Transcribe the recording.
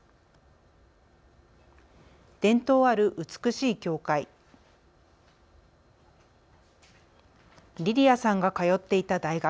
伝統ある美しい教会、リリアさんが通っていた大学。